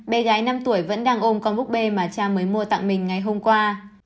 bé gái năm tuổi vẫn đang ôm con búp bê mà cha mới mua tặng mình ngay hôm qua